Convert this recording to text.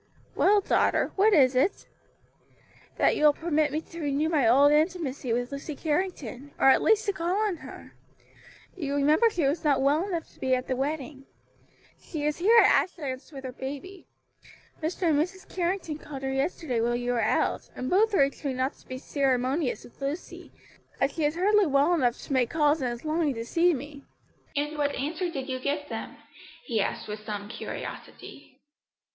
"Well, daughter, what is it?" "That you will permit me to renew my old intimacy with Lucy Carrington; or at least to call on her. You remember she was not well enough to be at the wedding; she is here at Ashlands with her baby. Mr. and Mrs. Carrington called here yesterday while you were out, and both urged me not to be ceremonious with Lucy, as she is hardly well enough to make calls and is longing to see me." "And what answer did you give them?" he asked with some curiosity.